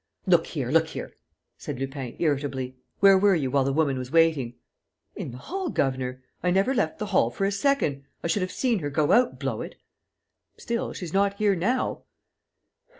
"Look here, look here," said Lupin, irritably. "Where were you while the woman was waiting?" "In the hall, governor! I never left the hall for a second! I should have seen her go out, blow it!" "Still, she's not here now...."